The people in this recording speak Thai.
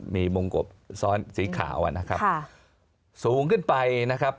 มีมงกบซ้อนสีขาวนะครับสูงขึ้นไปนะครับ